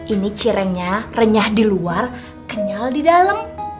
ini cirengnya renyah di luar kenyal di dalam